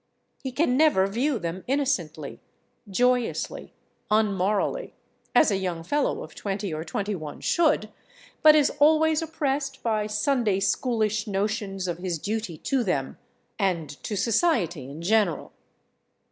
He can never view them innocently, joyously, unmorally, as a young fellow of twenty or twenty one should, but is always oppressed by Sunday schoolish notions of his duty to them, and to society in general.